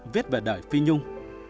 viết về đời phi nhung